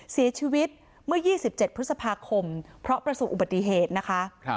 เสียชีวิตเมื่อ๒๗พฤษภาคมเพราะประสบอุบัติเหตุนะคะ